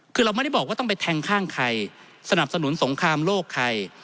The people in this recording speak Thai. คือเราไม่ได้บอกว่าต้องไปแทงข้างใครสนับสนุนสงครามโลกใคร